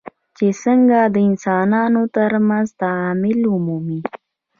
چې څنګه د انسانانو ترمنځ تعامل ومومي.